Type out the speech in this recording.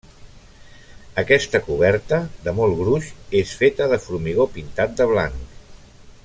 Aquesta coberta, de molt gruix, és feta de formigó pintat de blanc.